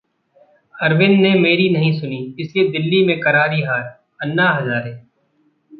अरविंद ने मेरी नहीं सुनी इसलिए दिल्ली में करारी हार: अन्ना हजारे